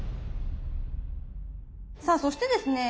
さあそしてですね